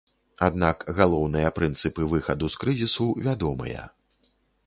Аднак галоўныя прынцыпы выхаду з крызісу вядомыя.